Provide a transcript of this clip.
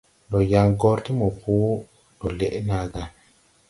Ndɔ yaŋ gɔr ti mopo ndɔ lɛʼ nàa gà.